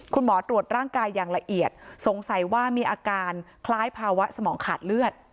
ตรวจร่างกายอย่างละเอียดสงสัยว่ามีอาการคล้ายภาวะสมองขาดเลือด